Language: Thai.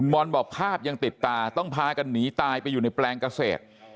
อนบอกภาพยังติดตาต้องพากันหนีตายไปอยู่ในแปลงเกษตร